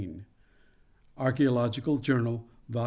("Archaeological Journal," vol.